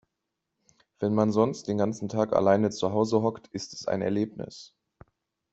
Wenn man sonst den ganzen Tag allein zu Hause hockt, ist es ein Erlebnis.